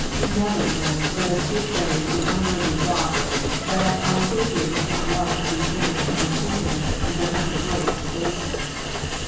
Never, then, let us give way to the unworthy thought that our Saviour does not love to see sinners coming to Him, and does not rejoice to save them.